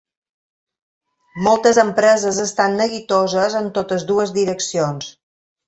Moltes empreses estan neguitoses en totes dues direccions.